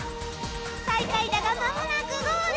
最下位だがまもなくゴール！